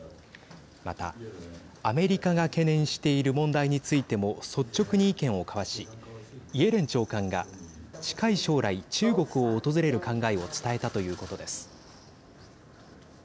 また、アメリカが懸念している問題についても率直に意見を交わしイエレン長官が近い将来、中国を訪れる考えを伝えたということです。